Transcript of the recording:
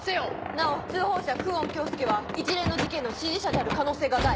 なお通報者久遠京介は一連の事件の指示者である可能性が大。